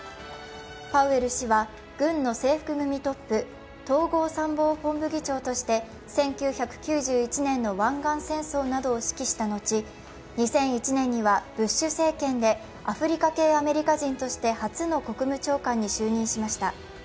パウエル氏は群の制服組トップ、統合参謀本部議長として１９９１年の湾岸戦争などを指揮した後、２００１年にはブッシュ政権でアフリカ系アメリカ人として初の国務長官に就任しました。